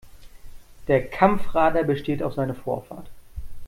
Der Kampfradler besteht auf seine Vorfahrt.